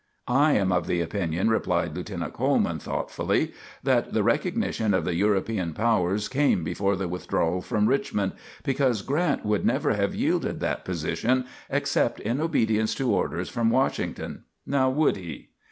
"I am of the opinion," replied Lieutenant Coleman, thoughtfully, "that the recognition of the European powers came before the withdrawal from Richmond, because Grant would never have yielded that position except in obedience to orders from Washington. Now would he?"